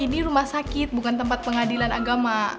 ini rumah sakit bukan tempat pengadilan agama